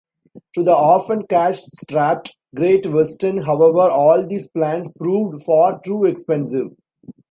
To the often cash-strapped Great Western, however, all these plans proved far too expensive.